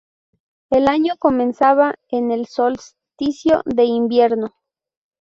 El año comenzaba en el solsticio de invierno.